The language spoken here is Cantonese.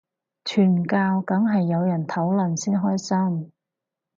傳教梗係有人討論先開心